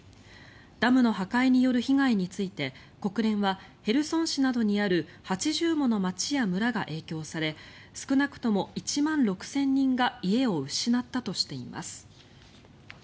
ダムの破壊による被害について国連はヘルソン市などにある８０もの街や村が影響され少なくとも１万６０００人が家を失ったとしています。